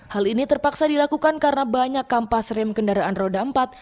hal ini terpaksa dilakukan karena banyak kampas rem kendaraan roda empat